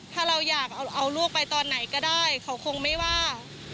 ถ้าเราอยากเอาลูกไปตอนไหนก็ได้เขาคงไม่ว่า